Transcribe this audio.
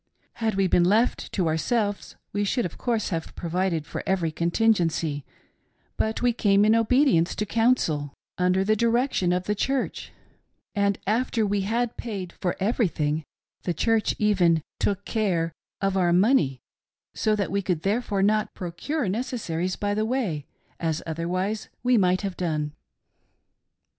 Had we been left to ourselves we should of course have provided for every contingency ; but we came in obedience to counsel under tlie 'direction of the Church, and after we had paid for everything ; the Church even " took care " of our money, so that we there fore could not procure necessaries by the way, as otherwise we might have done.